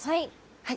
はい。